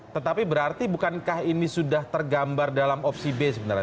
tetapi berarti bukankah ini sudah tergambar dalam opsi b sebenarnya